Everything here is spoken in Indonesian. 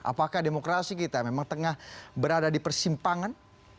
apakah demokrasi kita memang tengah berada di persimpangan